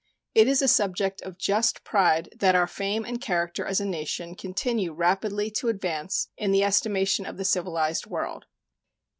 It is a subject of just pride that our fame and character as a nation continue rapidly to advance in the estimation of the civilized world.